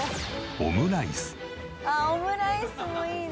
オムライスもいいな」